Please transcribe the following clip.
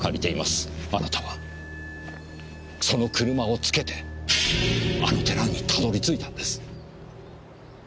あなたはその車をつけてあの寺にたどり着いたんです。